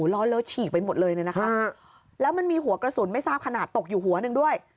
ล้อเลอะฉีกไปหมดเลยเนี่ยนะคะแล้วมันมีหัวกระสุนไม่ทราบขนาดตกอยู่หัวหนึ่งด้วย